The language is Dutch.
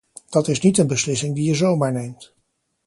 Dat is niet een beslissing die je zomaar neemt.